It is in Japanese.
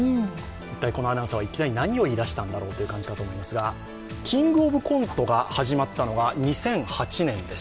一体、このアナウンサーは一体何を言い出したんだろうという感じですが、「キングオブコント」が始まったのが２００８年です。